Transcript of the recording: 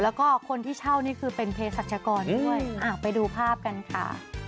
แล้วก็คนที่เช่านี่คือเป็นเพศรัชกรด้วยไปดูภาพกันค่ะ